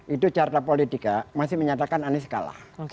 itu carta politika masih menyatakan anies kalah